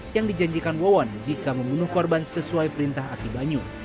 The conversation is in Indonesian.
yang dijanjikan wawon jika membunuh korban sesuai perintah aki banyu